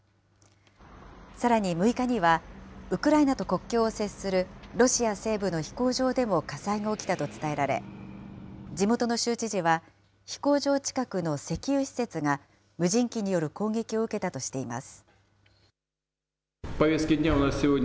さらに６日には、ウクライナと国境を接するロシア西部の飛行場でも火災が起きたと伝えられ、地元の州知事は、飛行場近くの石油施設が、無人機による攻撃を受けたとしています。